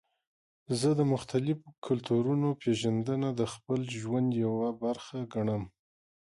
زه د مختلفو کلتورونو پیژندنه د خپل ژوند یوه برخه ګڼم.